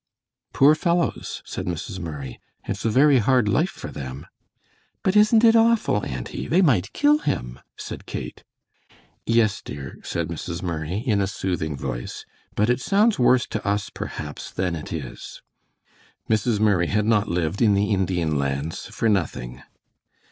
"Poor fellows," said Mrs. Murray; "it's a very hard life for them." "But isn't it awful, auntie? They might kill him," said Kate. "Yes, dear," said Mrs. Murray, in a soothing voice, "but it sounds worse to us perhaps than it is." Mrs. Murray had not lived in the Indian Lands for nothing.